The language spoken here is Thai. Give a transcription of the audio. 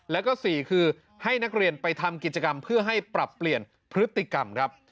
แล้วก็๔คือให้นักเรียนไปทำกิจกรรมเพื่อให้ปรับเปลี่ยนพฤติกรรมครับ